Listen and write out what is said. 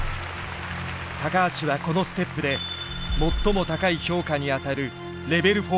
橋はこのステップで最も高い評価にあたるレベル４を獲得。